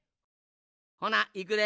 ほないくで。